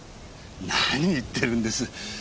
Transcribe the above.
何言ってるんです。